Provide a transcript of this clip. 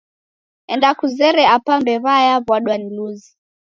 Enda kuzere apa mbew'a yawa'dwa ni luzi